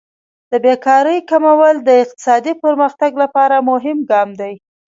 د بیکارۍ کمول د اقتصادي پرمختګ لپاره مهم ګام دی.